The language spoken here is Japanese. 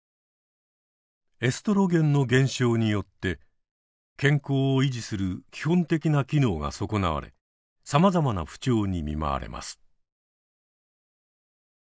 エストロゲンの減少によって健康を維持する基本的な機能が損なわれさまざまな不調に見舞われます。